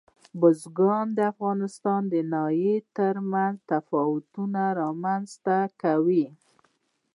بزګان د افغانستان د ناحیو ترمنځ تفاوتونه رامنځته کوي.